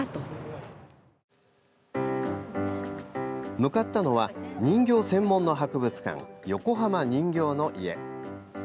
向かったのは人形専門の博物館、横浜人形の家。